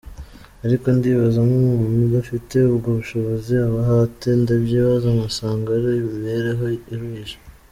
Ariko ndibaza nk’umuntu udafite ubwo bushobozi abaho ate ? Ndabyibaza nkasanga ari imibereho iruhije.